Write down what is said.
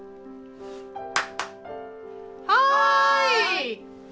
・はい！